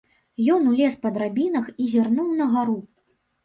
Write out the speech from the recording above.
Ён узлез па драбінах і зірнуў на гару.